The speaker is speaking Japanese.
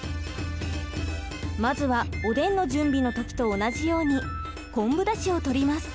まずはおでんの準備の時と同じように昆布だしをとります。